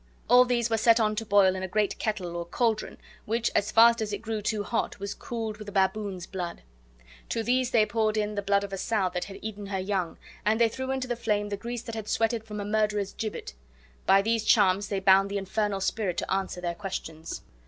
All these were set on to boil in a great kettle, or caldron, which, as fast as it grew too hot, was cooled with a baboon's blood. To these they poured in the blood of a sow that had eaten her young, and they threw into the flame the grease that had sweaten from a murderer's gibbet. By these charms they bound the infernal spirit to answer their questions.